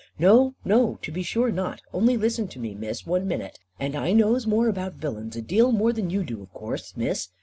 "No, no, to be sure not. Only listen to me, Miss, one minute; and I knows more about willains, a deal more than you do of course, Miss.